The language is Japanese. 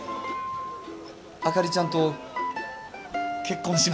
あかりちゃんと結婚します。